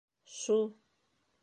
Шу.